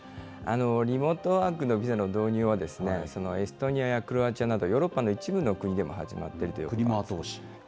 リモートワークのビザの導入は、エストニアやクロアチアなど、ヨーロッパの一部の国でも始まって後押し。